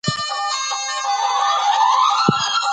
اوړي د افغانستان د چاپیریال د مدیریت لپاره مهم دي.